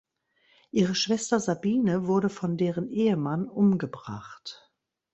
Ihre Schwester Sabine wurde von deren Ehemann umgebracht.